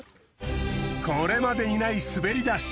これまでにないすべり出し。